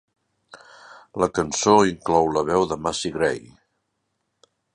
La cançó inclou la veu de Macy Gray.